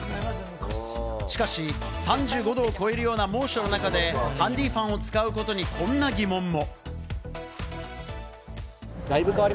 しかし、３５度を超えるような猛暑の中でハンディファンを使うことにこんな疑問も。